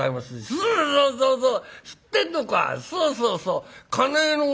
「そうそうそうそう！